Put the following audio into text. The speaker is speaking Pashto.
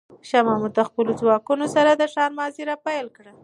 شاه محمود د خپلو ځواکونو سره د ښار محاصره پیل کړه.